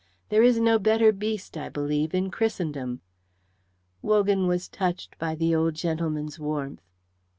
There is no better beast, I believe, in Christendom." Wogan was touched by the old gentleman's warmth.